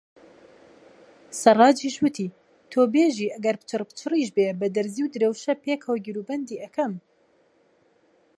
سەڕاجیش وتی: تۆ بێژی ئەگەر پچڕپچڕیش بێ بە دەرزی و درەوشە پێکەوە گیروبەندی ئەکەم.